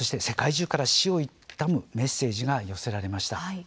世界中から死を悼むメッセージが寄せられました。